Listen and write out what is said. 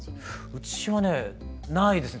うちはねないですね。